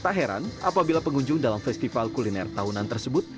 tak heran apabila pengunjung dalam festival kuliner tahunan tersebut